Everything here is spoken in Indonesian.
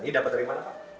ini dapat dari mana pak